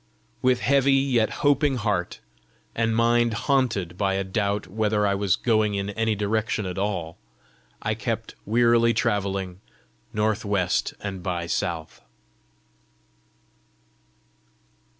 With heavy yet hoping heart, and mind haunted by a doubt whether I was going in any direction at all, I kept wearily travelling "north west and by south."